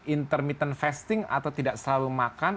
intermittent fasting atau tidak selalu makan